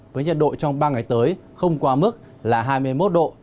với nhiệt độ trong ba ngày tới không quá mức là hai mươi một độ